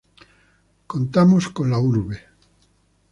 Contamos con la urb.